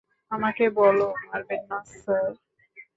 আমাকে বল - মারবেন না স্যার।